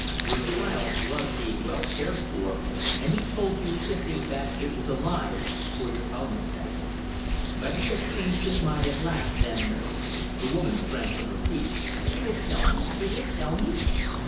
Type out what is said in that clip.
Your child was being well cared for, and he told you simply that it was alive for your own sake. But he has changed his mind at last, and " The woman sprang from her seat. "He will tell me he will tell me?"